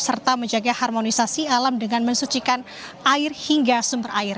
serta menjaga harmonisasi alam dengan mensucikan air hingga sumber air